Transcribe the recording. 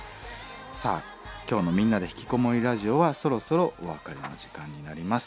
さあ今日の「みんなでひきこもりラジオ」はそろそろお別れの時間になります。